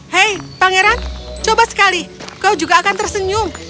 hei pangeran coba sekali kau juga akan tersenyum